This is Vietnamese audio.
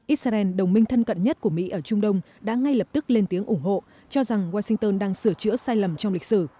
israel đồng minh thân cận nhất của mỹ ở trung đông đã ngay lập tức lên tiếng ủng hộ cho rằng washington đang sửa chữa sai lầm trong lịch sử